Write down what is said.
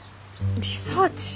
リサーチ？